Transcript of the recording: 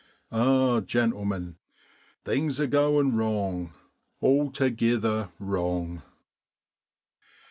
Ah, gentlemen, things are goin' wrong altogither wrong!'